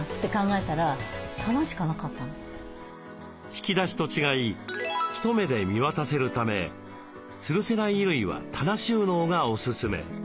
引き出しと違い一目で見渡せるためつるせない衣類は棚収納がおすすめ。